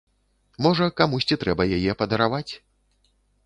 Можа, камусьці трэба яе падараваць.